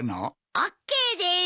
ＯＫです。